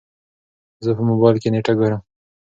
زه په موبايل کې نېټه ګورم.